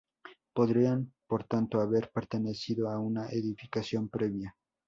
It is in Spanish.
Podrían, por tanto, haber pertenecido a una edificación previa.